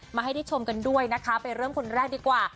มาให้ได้ชมกันด้วยนะคะไปเริ่มคนแรกดีกว่า